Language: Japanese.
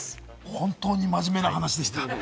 本当に真面目な話でした。